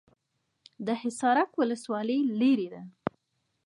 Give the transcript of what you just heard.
د حصارک ولسوالۍ لیرې ده